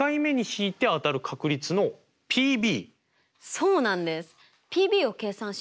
そうなんです。